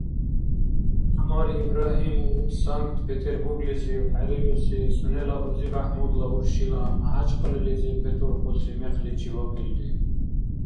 ГӀямар Ибрагьимов Санкт-Петербурглизив хӀерируси сунела узи БяхӀмудла уршила МяхӀячкъалализиб бетурхуси мекъличи вакӀилри.